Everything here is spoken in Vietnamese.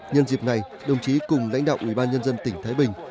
nhân dịp này đồng chí cùng lãnh đạo ủy ban nhân dân tỉnh thái bình